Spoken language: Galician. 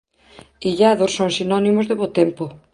Illados son sinónimos de bo tempo.